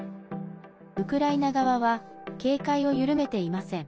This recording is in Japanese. ウクライナ側は警戒を緩めていません。